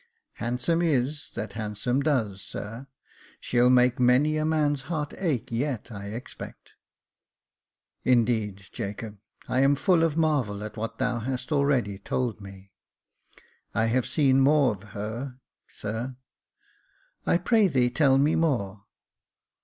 " Handsome is that handsome does, sir She'll make many a man's heart ache yet, I expect." "Indeed, Jacob, I am full of marvel at what thou hast already told me." " I have seen more of her, sir." I pray thee tell me more."